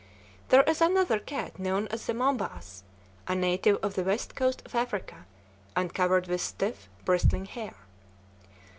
There is another cat known as the Mombas, a native of the west coast of Africa and covered with stiff, bristling hair.